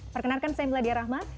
perkenalkan saya mladia rahmat